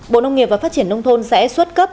bộ nông nghiệp và phát triển nông thôn sẽ xuất cấp